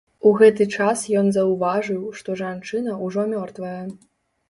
У гэты час ён заўважыў, што жанчына ўжо мёртвая.